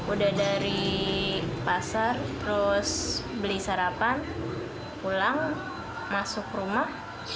udah dari pasar terus beli sarapan pulang masuk rumah